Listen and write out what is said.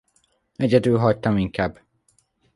Egyedül hagytam inkább.